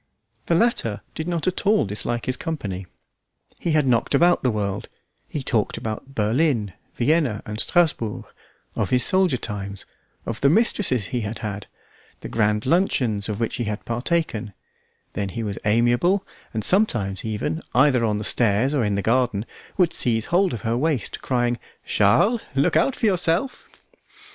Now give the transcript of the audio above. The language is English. The latter did not at all dislike his company. He had knocked about the world, he talked about Berlin, Vienna, and Strasbourg, of his soldier times, of the mistresses he had had, the grand luncheons of which he had partaken; then he was amiable, and sometimes even, either on the stairs, or in the garden, would seize hold of her waist, crying, "Charles, look out for yourself."